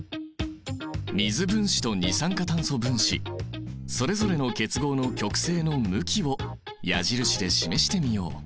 水分子と二酸化炭素分子それぞれの結合の極性の向きを矢印で示してみよう。